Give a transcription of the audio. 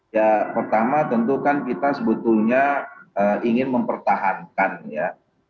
ya pertama tentukan kita sebetulnya ingin mempertahankan ya